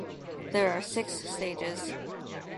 There are six stages.